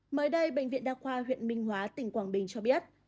mới đây bệnh viện đa khoa huyện minh hóa tỉnh quảng bình cho biết